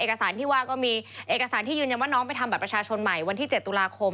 เอกสารที่ว่าก็มีเอกสารที่ยืนยันว่าน้องไปทำบัตรประชาชนใหม่วันที่๗ตุลาคม